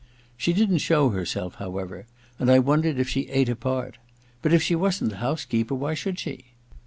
She didn't show herself, however, and I wondered if she ate apart ; but if she wasn't the house keeper, why should she